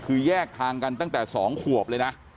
คือแยกทางกันตั้งแต่๒ขวบเลยนะ